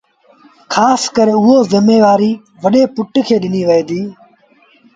کآس ڪري ايٚ زميوآريٚ وڏي پُٽ کي ڏنيٚ وهي ديٚ